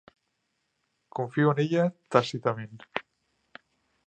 Confio en ella tàcitament.